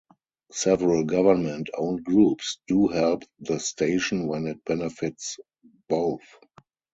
Several government-owned groups do help the station when it benefits both.